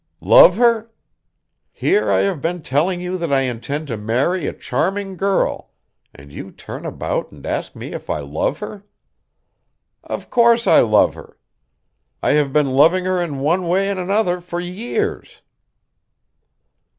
"Love her? Here I have been telling you that I intend to marry a charming girl, and you turn about and ask me if I love her. Of course I love her. I have been loving her in one way and another for years."